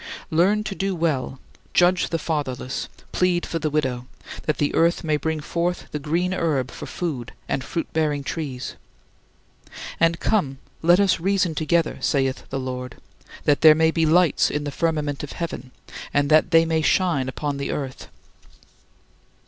"Learn to do well, judge the fatherless, plead for the widow," that the earth may bring forth the green herb for food and fruit bearing trees. "And come, let us reason together, saith the Lord" that there may be lights in the firmament of heaven and that they may shine upon the earth.